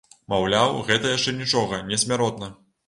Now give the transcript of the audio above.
Маўляў, гэта яшчэ нічога, не смяротна.